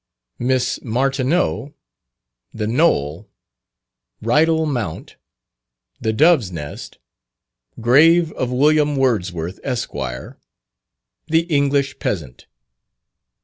_Miss Martineau "The Knoll" "Ridal Mount" "The Dove's Nest" Grave of William Wordsworth, Esq. The English Peasant.